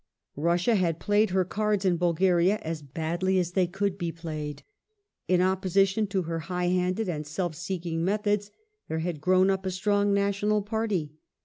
Russia had played her cards in Bulgaria as badly as they could be played. In opposition to her high handed and self seeking methods there had grown up a strong national party.